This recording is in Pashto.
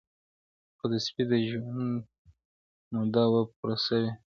خو د سپي د ژوند موده وه پوره سوې.